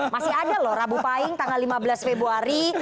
masih ada loh rabu paing tanggal lima belas februari